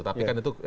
tapi kan itu